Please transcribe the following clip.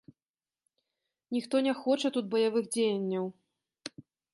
Ніхто не хоча тут баявых дзеянняў.